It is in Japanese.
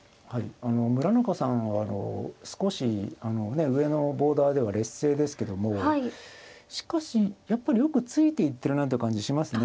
あの村中さんは少し上のボーダーでは劣勢ですけどもしかしやっぱりよくついていってるなという感じしますね。